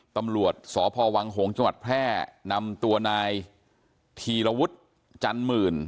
ตำรวจสพวังหงษ์จังหวัดแพร่นำตัวนายธีรวุฒิจันหมื่น